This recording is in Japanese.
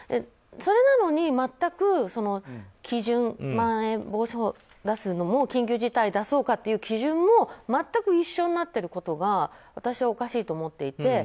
それなのに全く基準まん延防止を出すのも緊急事態を出そうかという基準も全く一緒になってることが私はおかしいと思っていて。